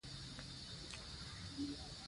افغانستان کې غوښې د خلکو د خوښې وړ ځای دی.